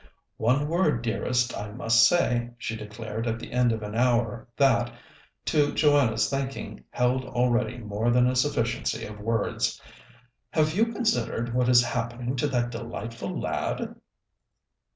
"One word, dearest, I must say," she declared at the end of an hour that, to Joanna's thinking, held already more than a sufficiency of words. "Have you considered what is happening to that delightful lad?"